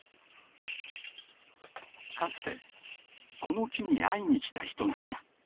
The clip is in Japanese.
かつてこの木に会いにきた人がいた。